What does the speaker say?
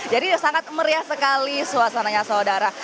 jadi sangat meriah sekali suasananya saudara